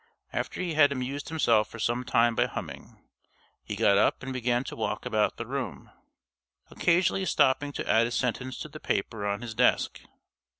After he had amused himself for some time by humming, he got up and began to walk about the room, occasionally stopping to add a sentence to the paper on his desk.